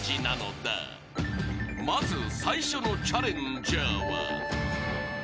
［まず最初のチャレンジャーは］